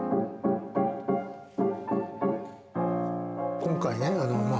今回ねあのまあ